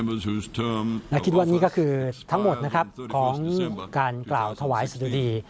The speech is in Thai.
และคิดว่านี่ก็คือทั้งหมดนะครับของการกล่าวถวายสะดุดี